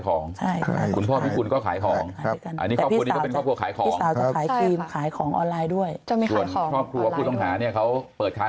ของคุณพ่อพี่คุณก็ขายของขายของออนไลน์ด้วยเขาเปิดแล้ว